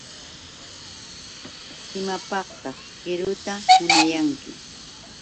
¿Imapaqtaq qiruta munayanki?